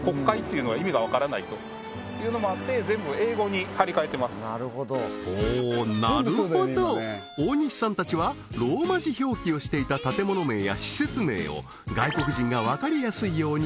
それはやっぱりですねほおなるほど大西さんたちはローマ字表記をしていた建物名や施設名を外国人がわかりやすいように